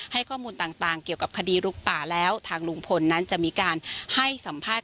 ข้อมูลต่างเกี่ยวกับคดีลุกป่าแล้วทางลุงพลนั้นจะมีการให้สัมภาษณ์